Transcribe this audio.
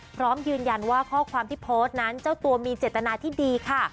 พร้อมยืนยันว่าข้อความที่โพสต์นั้นเจ้าตัวมีเจตนาที่ดีค่ะ